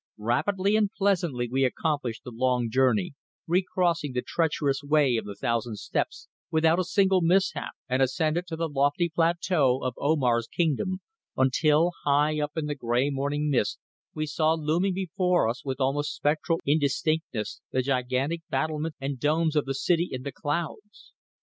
Rapidly and pleasantly we accomplished the long journey, re crossing the treacherous Way of the Thousand Steps without a single mishap, and ascended to the lofty plateau of Omar's kingdom until, high up in the grey morning mist, we saw looming before us with almost spectral indistinctness the gigantic battlements and domes of the City in the Clouds.